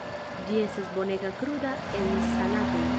Ĝi estas bonega kruda en salatoj.